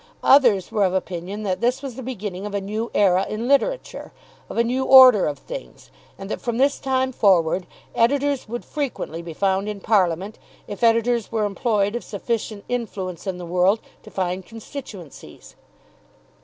Others were of opinion that this was the beginning of a new era in literature, of a new order of things, and that from this time forward editors would frequently be found in Parliament, if editors were employed of sufficient influence in the world to find constituencies.